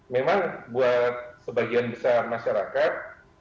memang buat sebagian besar masyarakat